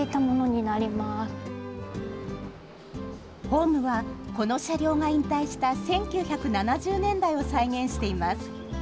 ホームは、この車両が引退した１９７０年代を再現しています。